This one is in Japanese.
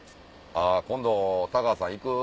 あぁ今度田川さん行く？